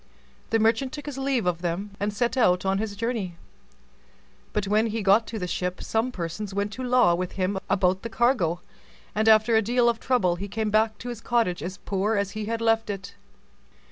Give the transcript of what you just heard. The merchant took his leave of them, and set out on his journey; but when he got to the ship, some persons went to law with him about the cargo, and after a deal of trouble he came back to his cottage as poor as he had left it.